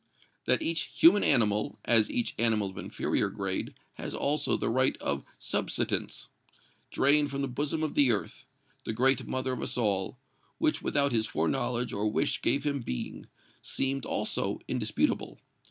That each human animal, as each animal of inferior grade, has, also, the right of subsistence, drained from the bosom of the earth, the great mother of us all, which without his foreknowledge or wish gave him being, seemed, also, indisputable.